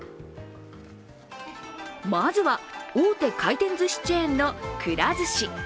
まずは大手回転ずしチェーンのくら寿司。